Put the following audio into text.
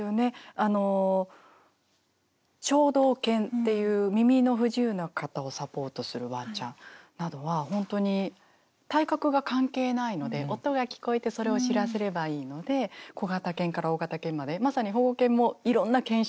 あの聴導犬っていう耳の不自由な方をサポートするワンちゃんなどは本当に体格が関係ないので音が聞こえてそれを知らせればいいので小型犬から大型犬までまさに保護犬もいろんな犬種